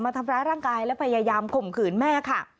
ทำร้ายร่างกายและพยายามข่มขืนแม่ค่ะ